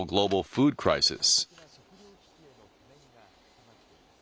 世界的な食料危機への懸念が高まっています。